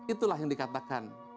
itulah yang dikatakan